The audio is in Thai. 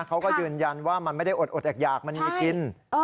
เขาก็ยืนยันว่ามันไม่ได้อดอยากมันมีกิน